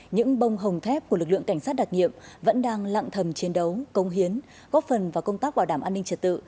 những bông hồng thép của lực lượng cảnh sát đặc nghiệm vẫn đang lặng thầm chiến đấu công hiến góp phần vào công tác bảo đảm an ninh trật tự